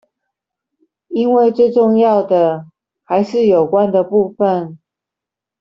因為最重要還是有關的部分